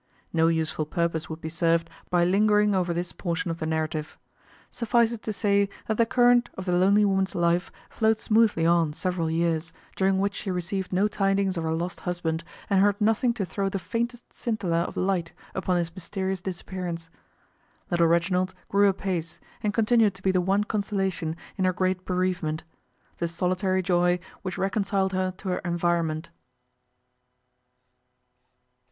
No useful purpose would be served by lingering over this portion of the narrative. Suffice it to say that the current of the lonely woman's life flowed smoothly on several years, during which she received no tidings of her lost husband and heard nothing to throw the faintest scintilla of light upon his mysterious disappearance. Little Reginald grew apace, and continued to be the one consolation in her great bereavement the solitary joy which reconciled her to her environment.